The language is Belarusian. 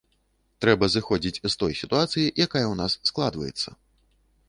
Трэба зыходзіць з той сітуацыі, якая ў нас складваецца.